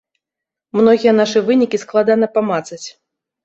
Многія нашы вынікі складана памацаць.